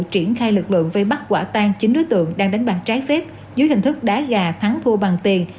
triển khai lực lượng về bắt quả tang chính đối tượng đang đánh bạc trái phép dưới hình thức đá gà thắng thua bằng tiền